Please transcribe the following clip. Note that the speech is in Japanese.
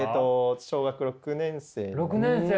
小学６年生。